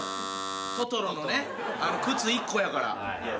『トトロ』のね靴１個やから。